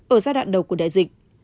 ở giai đoạn đầu của đại dịch